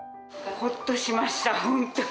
ほっとしました、本当に。